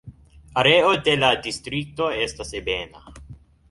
Areo de la distrikto estas ebena.